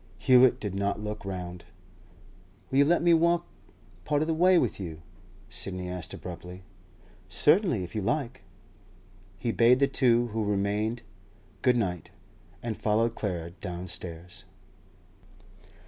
Hewett did not look round. 'Will you let me walk part of the way with you?' Sidney asked abruptly. 'Certainly, if you like.' He bade the two who remained 'Good night,' and followed Clara downstairs.